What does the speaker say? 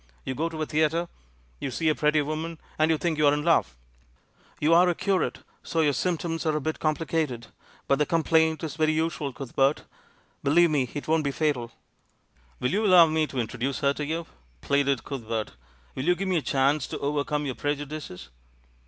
You go to a theatre, you see a pretty woman, and you think you're in love. You're a curate, so your symptoms are a bit complicated, but the complaint's very usual, Cuthbert, believe me — it won't be fatal." "Will you allow me to introduce her to you?" pleaded Cuthbert. "Will you give me a chance to overcome your prejudices?"